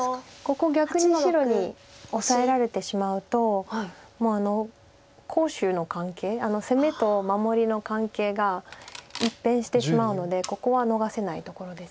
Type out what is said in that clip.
ここ逆に白にオサえられてしまうと攻守の関係攻めと守りの関係が一変してしまうのでここは逃せないところです。